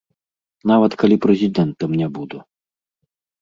Нават калі прэзідэнтам не буду.